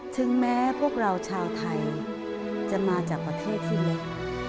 ถึงแม้พวกเราชาวไทยจะมาจากประเทศทีเล็ก